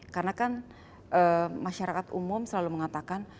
karena kan masyarakat umum selalu mengatakan